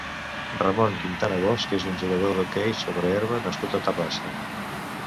Ramón Quintana Bosch és un jugador d'hoquei sobre herba nascut a Terrassa.